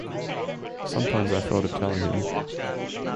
Sometimes I thought of telling him.